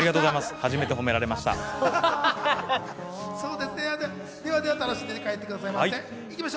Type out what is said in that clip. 初めて褒められました。